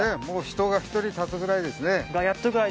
もう人が１人立つぐらいですね。